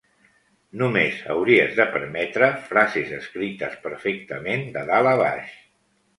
Només hauries de permetre frases escrites perfectament de dalt a baix.